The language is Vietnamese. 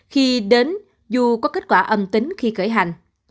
khi đến dù có kết quả âm tính khi khởi hành